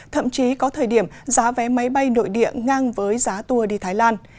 thậm chí có thời điểm giá vé máy bay nội địa ngang với giá tour đi thái lan